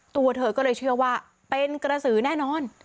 ตัวเธอก็เลยเชื่อว่าเป็นกระสือแน่นอน